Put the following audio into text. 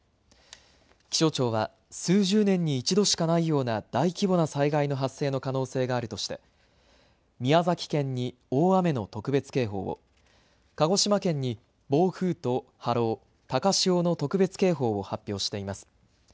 気象庁は数十年に一度しかないような大規模な災害の発生の可能性があるとして宮崎県に大雨の特別警報を鹿児島県に暴風と波浪、高潮の特別警報を発表しています。